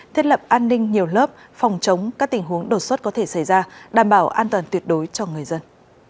thiết lập an ninh nhiều lớp phòng chống các tình huống đột xuất có thể xảy ra đảm bảo an toàn tuyệt đối cho người dân